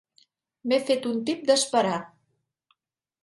M'he fet un tip d'esperar.